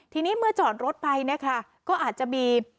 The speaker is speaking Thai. ทีนี้เมื่อจอดรถไปก็อาจจะมี